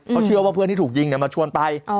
เขาเชื่อว่าเพื่อนที่ถูกยิงมาชวนไป